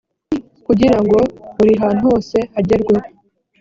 kugira ngo buri hantu hose hagerweho